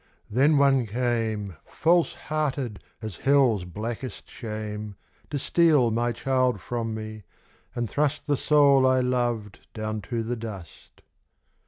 Then one came False hearted as Hell's blackest shame, To steal my child from me, and thrust The soul I loved down to the dust.